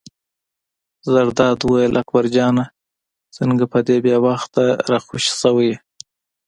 زرداد وویل: اکبر جانه څنګه په دې بې وخته را خوشې شوی یې.